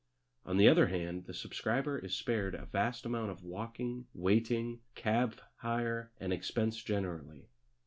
On the other hand, the subscriber is spared a vast amount of walking, waiting, cab hire, and expense generally.